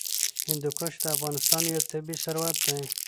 هندوکش د افغانستان یو طبعي ثروت دی.